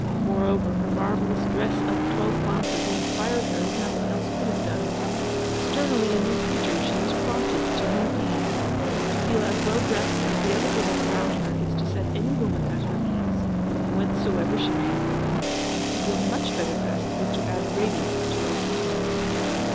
Moreover, her marvellous dress of twelve flounces inspired her as nothing else could have done. Externally a new creature, she was prompted to new deeds. To feel as well dressed as the other women around her is to set any woman at her ease, whencesoever she may have come: to feel much better dressed is to add radiance to that ease.